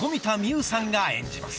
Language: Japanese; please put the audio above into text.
生さんが演じます